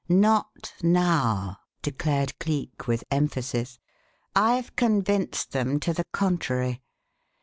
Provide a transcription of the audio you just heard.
"Not now!" declared Cleek, with emphasis. "I've convinced them to the contrary.